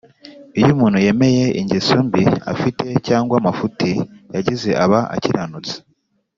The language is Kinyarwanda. iyo umuntu yemeye ingeso mbi afite cyangwa amafuti yagize aba akiranutse